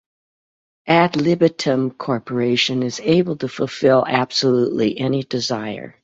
Ad Libitum Corporation is able to fulfill absolutely any desire.